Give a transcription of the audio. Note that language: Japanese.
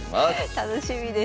楽しみです。